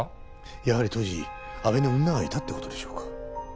やはり当時阿部に女がいたって事でしょうか？